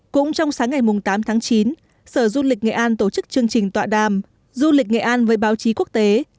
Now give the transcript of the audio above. cũng trong sáng ngày tám tháng chín sở du lịch nghệ an tổ chức chương trình tọa đàm du lịch nghệ an với báo chí quốc tế